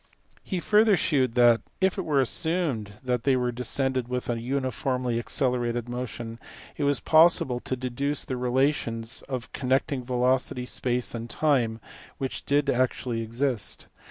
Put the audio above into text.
GALILEO. 251 He further shewed that, if it were assumed that they descended with a uniformly accelerated motion, it was possible to deduce the relations connecting velocity, space, and time which did actually exist.